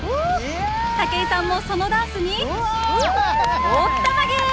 武井さんもそのダンスにおったまげ！